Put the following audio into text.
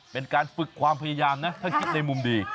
เป็นการฝึกความพยายามนะถ้าคิดในมุมดี